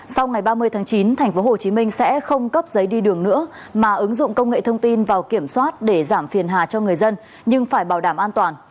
sau ngày ba mươi tháng chín tp hcm sẽ không cấp giấy đi đường nữa mà ứng dụng công nghệ thông tin vào kiểm soát để giảm phiền hà cho người dân nhưng phải bảo đảm an toàn